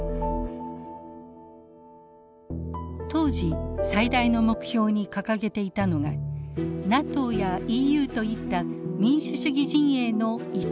当時最大の目標に掲げていたのがＮＡＴＯやＥＵといった民主主義陣営の一員になることでした。